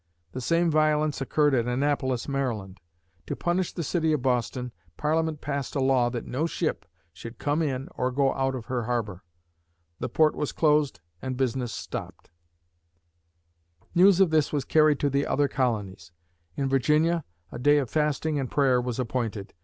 The same violence occurred at Annapolis, Maryland. To punish the city of Boston, Parliament passed a law that no ship should come in or go out of her harbor. The port was closed and business stopped. [Illustration: The Boston Tea Party] News of this was carried to the other colonies. In Virginia, a day of fasting and prayer was appointed.